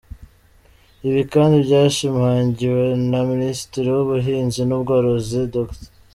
Ibi kandi byashimangiwe na Minisitiri w’Ubuhinzi n’Ubworozi, Dr.